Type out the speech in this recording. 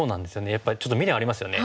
やっぱりちょっと未練ありますよね。